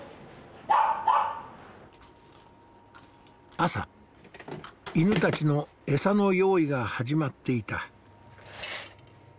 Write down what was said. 朝犬たちのエサの用意が始まっていた。